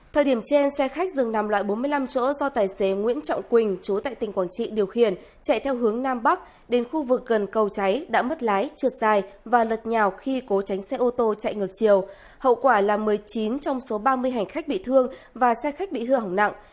thời điểm trên xe khách dừng nằm loại bốn mươi năm chỗ do tài xế nguyễn trọng quỳnh chú tại tỉnh quảng trị điều khiển chạy theo hướng nam bắc đến khu vực gần cầu cháy đã mất lái trượt dài và lật nhào khi cố tránh xe ô tô chạy ngược chiều hậu quả là một mươi chín trong số ba mươi hành khách bị thương và xe khách bị hư hỏng nặng